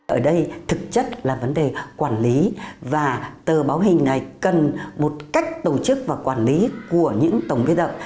ở đây thực chất là vấn đề quản lý và tờ báo hình này cần một cách tổ chức và quản lý của những tổng biên tập